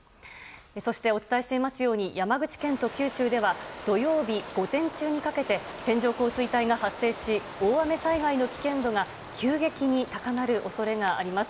そして、お伝えしていますように山口県と九州では土曜、午前中にかけて線状降水帯が発生し大雨災害の危険度が急激に高まる恐れがあります。